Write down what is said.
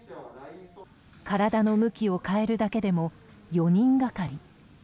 体の向きを変えるだけでも４人がかり。